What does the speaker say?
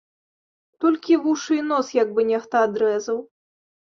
Толькі вушы і нос як бы нехта адрэзаў.